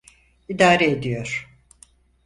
İdare ediyor.